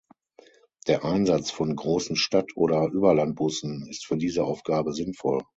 Der Einsatz von großen Stadt- oder Überlandbussen ist für diese Aufgabe sinnvoll.